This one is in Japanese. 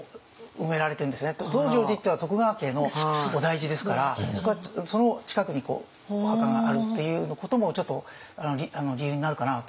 増上寺っていうのは徳川家の菩提寺ですからその近くにお墓があるっていうこともちょっと理由になるかなというふうに思うんですけど。